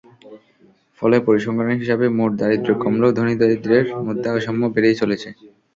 ফলে পরিসংখ্যানের হিসাবে মোট দারিদ্র্য কমলেও ধনী-দরিদ্রের মধ্যে অসাম্য বেড়েই চলেছে।